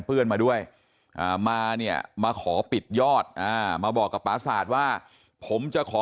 เพื่อนมาด้วยมาเนี่ยมาขอปิดยอดมาบอกกับปราศาสตร์ว่าผมจะขอ